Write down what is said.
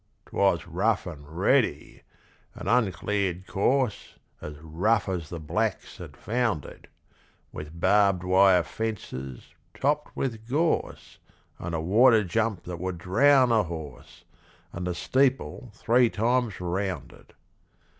'Twas rough and ready an uncleared course As rough as the blacks had found it; With barbed wire fences, topped with gorse, And a water jump that would drown a horse, And the steeple three times round it.